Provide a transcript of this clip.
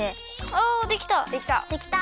おできた！